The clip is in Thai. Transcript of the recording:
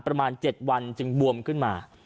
ประมาณ๗วันจึงบวมขึ้นมา